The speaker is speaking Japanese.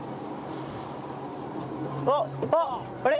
あっあっあれ？